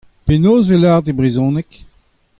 Penaos e vez lavaret e brezhoneg ?